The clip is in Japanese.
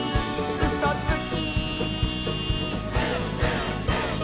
「うそつき！」